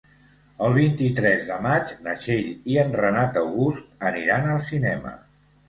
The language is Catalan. El vint-i-tres de maig na Txell i en Renat August aniran al cinema.